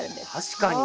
確かに。